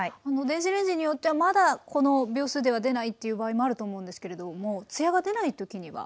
電子レンジによってはまだこの秒数では出ないっていう場合もあると思うんですけれどもつやが出ない時には？